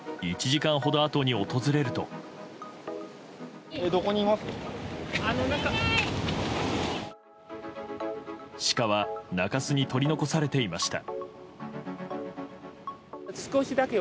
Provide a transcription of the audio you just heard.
１時間ほどあとに訪れるとシカは中州に取り残されていました。